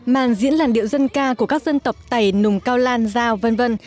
màn diễn làn điệu dân ca của các dân tộc tày nùng cao lan giao v v